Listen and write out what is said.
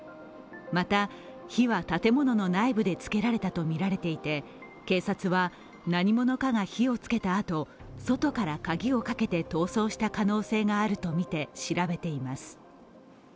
また、火は建物の内部でつけられたとみられていて警察は、何者かが火をつけたあと外から鍵をかけて逃走した可能性があるとみて調べています。